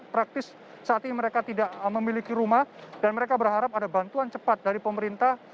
praktis saat ini mereka tidak memiliki rumah dan mereka berharap ada bantuan cepat dari pemerintah